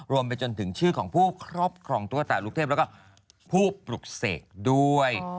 ไปจนถึงชื่อของผู้ครอบครองทั่วตาลูกเทพแล้วก็ผู้ปลุกเสกด้วย